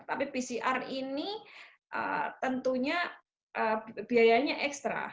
tapi pcr ini tentunya biayanya ekstra